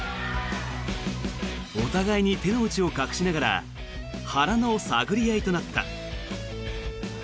お互いに手の内を隠しながら腹の探り合いとなった。